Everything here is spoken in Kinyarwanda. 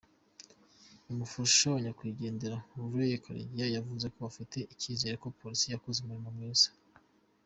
Umufasha wa nyakwigendera Leah Karegeya yavuzeko afite icyizero ko polisi yakoze umurimo mwiza.